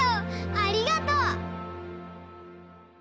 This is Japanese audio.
ありがとう！